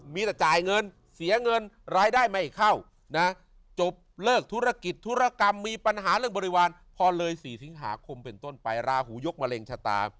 มีแต่จ่ายเงินเสียเงินรายได้ไม่เข้านะจบเลิกธุรกิจธุรกรรมมีปัญหาเรื่องบริวารพอเลย๔สิงหาคมเป็นต้นไปราหูยกมะเร็งชะตา